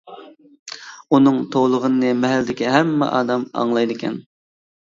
ئۇنىڭ توۋلىغىنىنى مەھەللىدىكى ھەممە ئادەم ئاڭلايدىكەن.